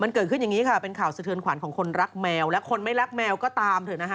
มันเกิดขึ้นอย่างนี้ค่ะเป็นข่าวสะเทือนขวัญของคนรักแมวและคนไม่รักแมวก็ตามเถอะนะคะ